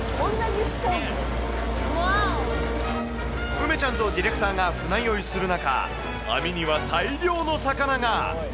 梅ちゃんとディレクターが船酔いする中、網には大量の魚が。